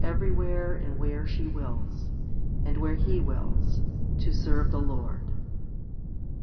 HOMILY XLVI 289 everywhere and where she wills, and, where He wills, to serve the Lord.